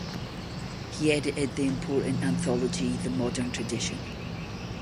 He edited the important anthology, "The Modern Tradition".